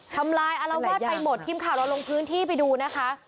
ทำลายอารวาสไปหมดทีมข่าวเราลงพื้นที่ไปดูนะคะ